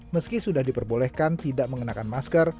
meski sudah diperbolehkan tidak mengenakan masker